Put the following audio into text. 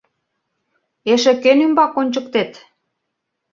«Эше кӧн ӱмбак ончыктет?»